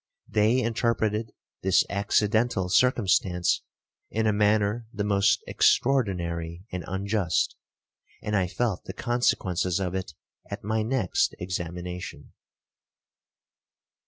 They interpreted this accidental circumstance in a manner the most extraordinary and unjust, and I felt the consequences of it at my next examination.